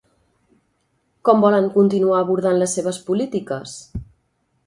Com volen continuar abordant les seves polítiques?